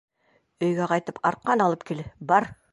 — Өйгә ҡайтып арҡан алып кил, бар.